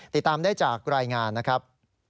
ติดตามได้จากรายงานนะครับ